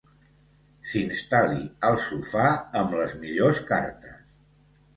S'instal·li al sofà amb les millors cartes.